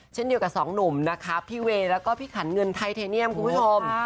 เช่นเดียวกับสองหนุ่มนะคะพี่เวย์แล้วก็พี่ขันเงินไทเทเนียมคุณผู้ชม